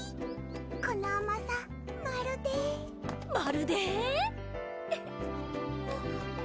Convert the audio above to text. このあまさまるでまるで？